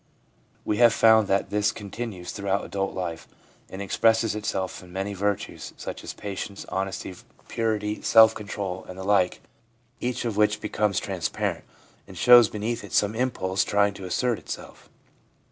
We have found that this continues throughout adult life, and expresses itself in many virtues, such as patience, honesty, purity, self control, and the like, each of which becomes trans parent, and shows beneath it some impulse trying to assert itself.